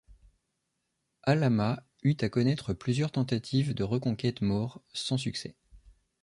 Alhama eut a connaître plusieurs tentatives de reconquête maures sans succès.